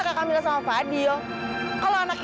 ya ampun kamu mau ngapain dong